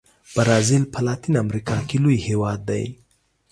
برازیل په لاتین امریکا کې لوی هېواد دی.